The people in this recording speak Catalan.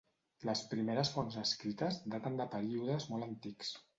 Les primeres fonts escrites daten de períodes molt antics.